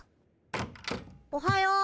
おはよう。